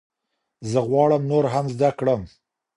زه غواړم نور هم زده کړم.